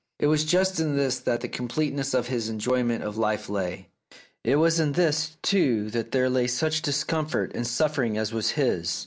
It was just in this that the completeness of his enjoyment of life lay. It was in this, too, that there lay such discomfort and suffering as was his.